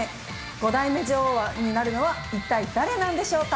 五代目女王になるのは一体誰なんでしょうか。